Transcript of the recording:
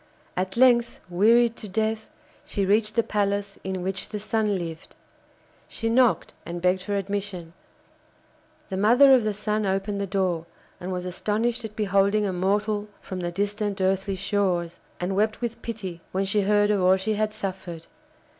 At length, wearied to death, she reached the palace in which the Sun lived. She knocked and begged for admission. The mother of the Sun opened the door, and was astonished at beholding a mortal from the distant earthly shores, and wept with pity when she heard of all she had suffered.